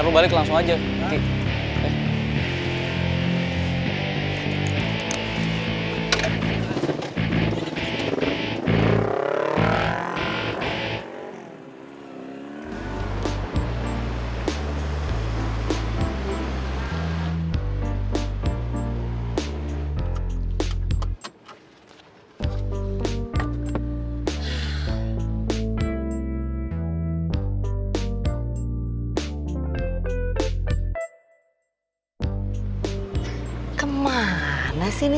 aku juga di traktir kan